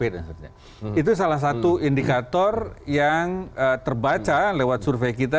itu salah satu indikator yang terbaca lewat survei kita